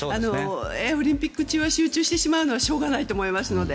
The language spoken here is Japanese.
オリンピック中は集中してしまうのはしょうがないと思いますので。